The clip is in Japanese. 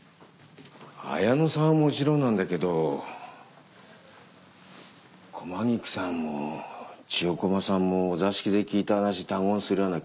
綾乃さんはもちろんなんだけど駒菊さんも千代駒さんもお座敷で聞いた話他言するような気配